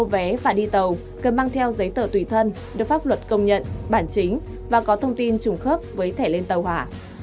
về tàu cần mang theo giấy tờ tùy thân được pháp luật công nhận bản chính và có thông tin trùng khớp với thẻ lên tàu hạ